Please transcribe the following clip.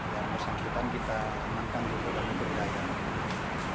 dan sejak itu kita menangkap di rumah tahanan